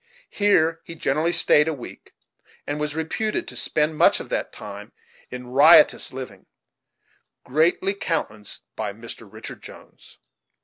Here he generally stayed a week; and was reputed to spend much of that time in riotous living, greatly countenanced by Mr. Richard Jones.